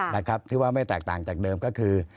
ถือว่าไม่ได้แตกต่างจากเดิมก็คือ